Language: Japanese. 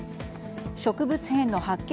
植物片の発見